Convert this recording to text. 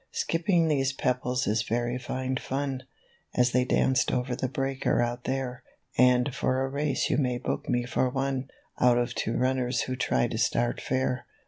" Skipping these pebbles is very fine fun, As they dance over the breakers out there, And for a race you may hook me for one, Out of two runners who try to start fair.